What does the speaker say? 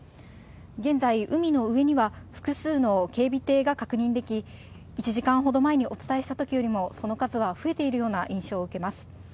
現在、海の上には複数の警備艇が確認でき、１時間ほど前にお伝えしたときよりも、その数は増えているような印象を受けます。